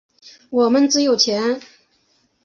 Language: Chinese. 我们只有钱。